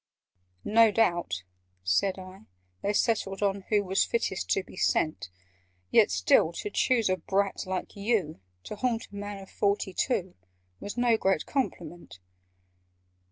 "No doubt," said I, "they settled who Was fittest to be sent Yet still to choose a brat like you, To haunt a man of forty two, Was no great compliment!"